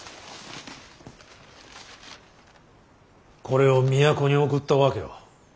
これを都に送った訳は。